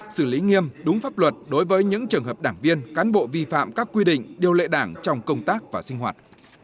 xử lý nghiêm đúng pháp luật đối với những trường hợp đảng viên cán bộ vi phạm các quy định điều lệ đảng trong công tác và sinh hoạt